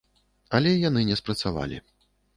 Але яны не спрацавалі.